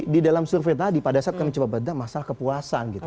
di dalam survei tadi pada saat kami coba bedah masalah kepuasan gitu